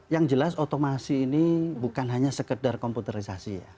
yang jelas otomasi ini bukan hanya sekedar komputerisasi ya